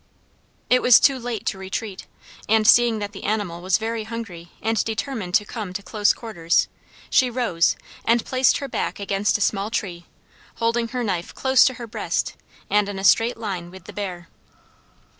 It was too late to retreat, and, seeing that the animal was very hungry and determined to come to close quarters, she rose, and placed her back against a small tree, holding her knife close to her breast, and in a straight line with the bear.